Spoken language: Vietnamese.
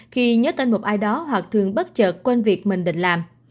khi nhớ tên một ai đó hoặc thường bất chợt quên việc mình định làm